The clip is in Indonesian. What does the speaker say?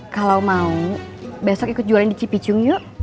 kalau mau besok ikut jualan di cipicung yuk